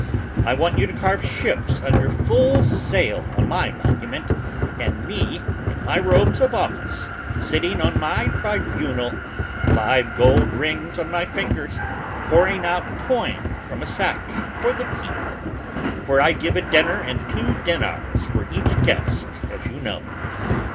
I want you to carve ships under full sail on my monument, and me, in my robes of office, sitting on my tribunal, five gold rings on my fingers, pouring out coin from a sack for the people, for I gave a dinner and two dinars for each guest, as you know.